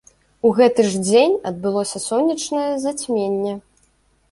У гэты ж дзень адбылося сонечнае зацьменне.